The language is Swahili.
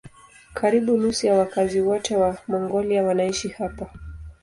Karibu nusu ya wakazi wote wa Mongolia wanaishi hapa.